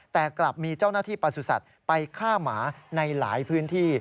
แต่กลับมีเจ้าหน้าที่ประสุทธิ์ไปฆ่าหมาในหลายพื้นที่